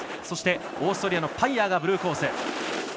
そして、オーストリアのパイヤーがブルーコース。